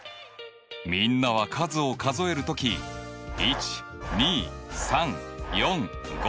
みんなは数を数える時１２３４５